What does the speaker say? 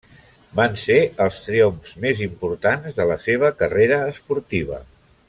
Van ser els triomfs més importants de la seva carrera esportiva.